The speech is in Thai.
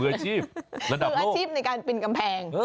คืออาชีพในการปีนกำแพง